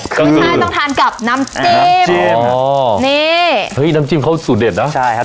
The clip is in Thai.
คือต้องทานกับน้ำจิ้มน้ำจิ้มเขาสุดเด็ดนะใช่ครับ